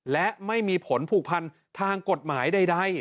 และไม่มีผลผูกพันทางกฎหมายใด